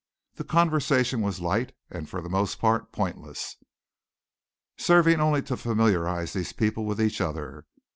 The conversation was light and for the most part pointless, serving only to familiarize these people with each other.